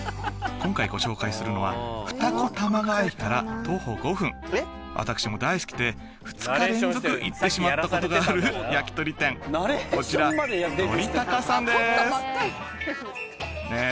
今回ご紹介するのは私も大好きで２日連続行ってしまったことがある焼き鳥店こちら酉たかさんですねえ